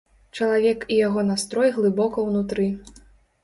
Чалавек і яго настрой глыбока ўнутры.